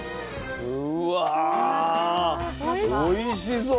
うわおいしそう。